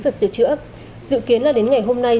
và sửa chữa dự kiến là đến ngày hôm nay